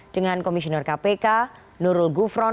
dengan komisioner kpk nurul gufron